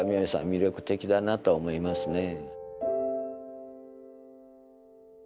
魅力的だなと思いますね。